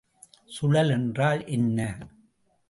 சுழல் என்றால் என்ன?